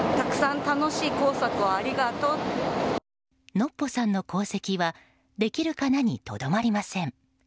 のっぽさんの功績は「できるかな」にとどまりません。